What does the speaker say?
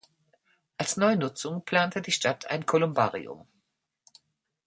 Als Neunutzung plante die Stadt ein Kolumbarium.